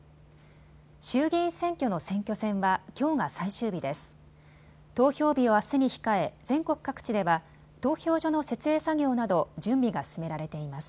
衆議院選挙の選挙戦はきょうが最終日です。